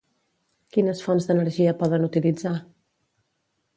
Quines fonts d'energia poden utilitzar?